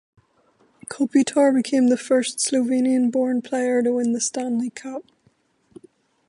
Kopitar became the first Slovenian-born player to win the Stanley Cup.